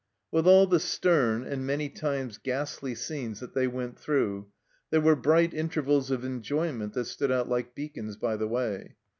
With all the stern, and many times ghastly, scenes that they went through, there were bright intervals of enjoyment that stood out like beacons by the way.